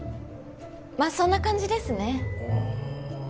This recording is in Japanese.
まあそんな感じですねああ